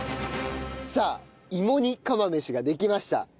さあ芋煮釜飯ができました。